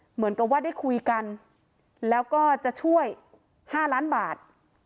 เหมือนกับว่าได้คุยกันแล้วก็จะช่วย๕ล้านบาท